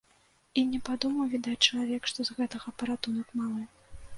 І не падумаў, відаць, чалавек, што з гэтага паратунак малы.